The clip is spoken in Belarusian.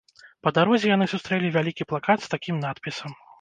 Па дарозе яны сустрэлі вялікі плакат з такім надпісам.